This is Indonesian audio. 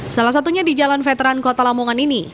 salah satunya di jalan veteran kota lamongan ini